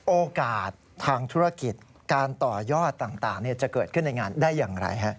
โอกาสทางธุรกิจการต่อยอดต่างจะเกิดขึ้นในงานได้อย่างไร